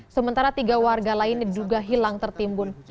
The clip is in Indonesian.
sementara tiga warga lain diduga hilang tertimbun